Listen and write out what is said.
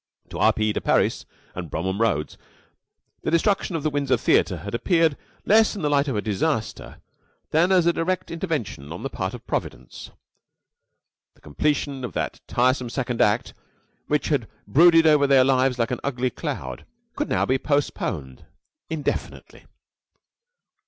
To R. P. de Parys and Bromham Rhodes the destruction of the Windsor Theater had appeared less in the light of a disaster than as a direct intervention on the part of Providence. The completion of that tiresome second act, which had brooded over their lives like an ugly cloud, could now be postponed indefinitely.